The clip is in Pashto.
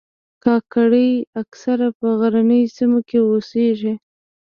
کاکړي اکثره په غرنیو سیمو کې اوسیږي.